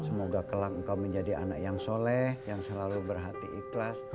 semoga kelang engkau menjadi anak yang soleh yang selalu berhati ikhlas